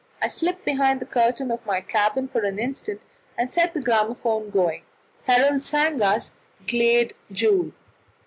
I slipped behind the curtain of my cabin for an instant, and set the gramophone going. Herold sang us "Glade Jul."